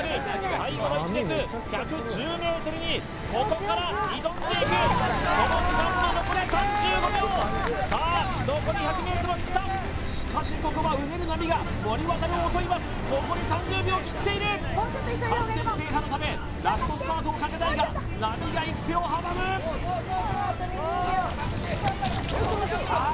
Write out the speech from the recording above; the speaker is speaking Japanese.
最後の１列１１０ｍにここから挑んでいくその時間は残り３５秒さあ残り１００ｍを切ったしかしここはうねる波が森渉を襲います残り３０秒を切っている完全制覇のためラストスパートをかけたいが波が行く手を阻むあ